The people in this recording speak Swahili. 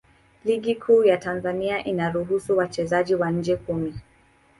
Ligi Kuu ya Tanzania inaruhusu wachezaji wa nje kumi.